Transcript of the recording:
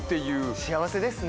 幸せですね。